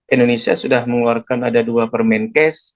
indonesia sudah mengeluarkan ada dua permain case